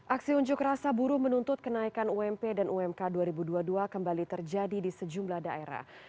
aksi unjuk rasa buruh menuntut kenaikan ump dan umk dua ribu dua puluh dua kembali terjadi di sejumlah daerah